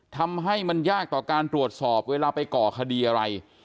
ทำให้มันยากต่อการตรวจสอบเวลาไปก่อคดีอะไร